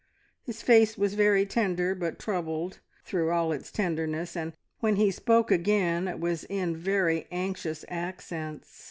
His face was very tender, but troubled through all its tenderness, and when he spoke again, it was in very anxious accents.